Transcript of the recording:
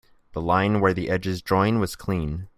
The line where the edges join was clean.